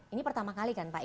ini pertama kali kan pak